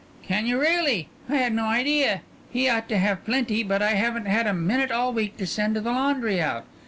"Can you really? I had no idea. He ought to have plenty, but I haven't had a minute all week to send the laundry out."